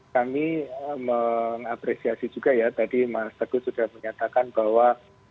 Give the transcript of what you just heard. kami mengapresiasi juga ya tadi mas teguh sudah menyatakan bahwa